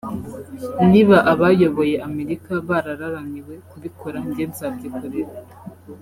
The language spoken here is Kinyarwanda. niba abayoboye Amerika bararaniwe kubikora njye nzabyikorera